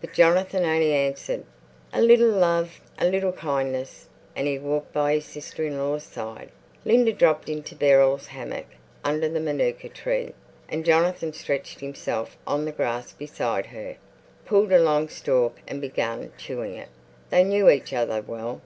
But Jonathan only answered, "A little love, a little kindness;" and he walked by his sister in law's side. Linda dropped into Beryl's hammock under the manuka tree, and Jonathan stretched himself on the grass beside her, pulled a long stalk and began chewing it. They knew each other well.